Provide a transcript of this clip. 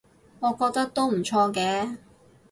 我覺得都唔錯嘅